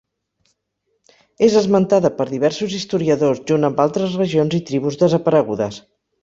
És esmentada per diversos historiadors junt amb altres regions i tribus desaparegudes.